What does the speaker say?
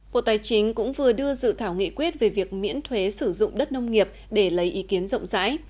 bộ tài chính cũng vừa đưa dự thảo nghị quyết về việc miễn thuế sử dụng đất nông nghiệp để lấy ý kiến rộng rãi